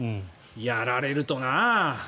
やられるとな。